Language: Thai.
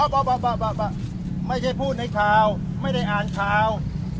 อ้าวบอกบอกบอกบอกไม่ใช่พูดในข่าวไม่ได้อ่านข่าว